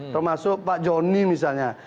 termasuk pak joni misalnya